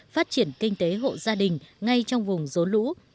phát triển kinh tế hộ gia đình ngay trong vùng rốn lũ